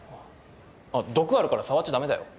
あっ毒あるから触っちゃ駄目だよ。